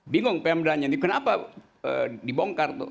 bingung pmd nya kenapa dibongkar tuh